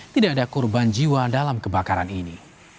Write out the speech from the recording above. tidak ada korban jiwa dalam kebakaran ini